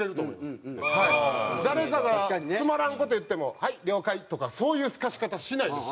誰かがつまらん事言っても「はい了解」とかそういうすかし方しないんです。